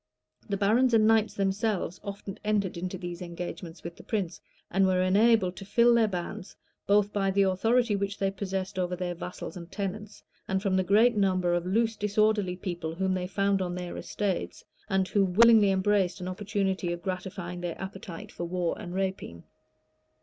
[*] The barons and knights themselves often entered into these engagements with the prince; and were enabled to fill their bands, both by the authority which they possessed over their vassals and tenants, and from the great numbers of loose, disorderly people whom they found on their estates, and who willingly embraced an opportunity of gratifying their appetite for war and rapine.